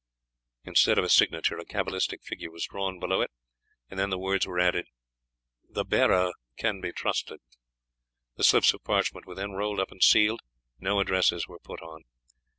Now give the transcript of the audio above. _" Instead of a signature a cabalistic figure was drawn below it, and then the words were added: The bearer can be trusted. The slips of parchment were then rolled up and sealed; no addresses were put on.